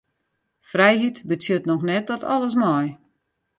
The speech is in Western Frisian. Frijheid betsjut noch net dat alles mei.